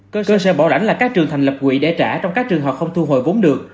cơ sở bảo lãnh là các trường thành lập quỹ để trả trong các trường hợp không thu hồi vốn được